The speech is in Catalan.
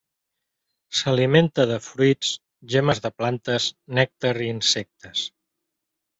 S'alimenta de fruits, gemmes de plantes, nèctar i insectes.